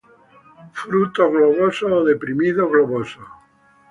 Frutos globosos o deprimido-globosos.